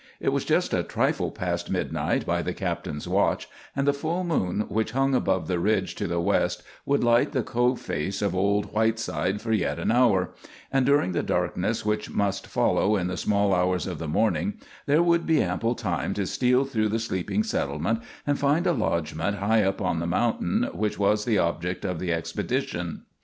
It was just a trifle past midnight by the captain's watch, and the full moon which hung above the ridge to the west would light the Cove face of old Whiteside for yet an hour; and during the darkness which must follow in the small hours of the morning there would be ample time to steal through the sleeping settlement and find a lodgment high up on the mountain which was the objective of the expedition.